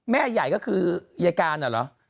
แม่ใหญ่ก็คือยายการอะเหรอ